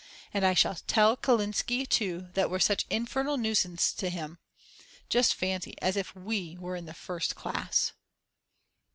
And I shall tell Kalinsky too that we're such an infernal nuisance to him. Just fancy, as if we were in the First Class!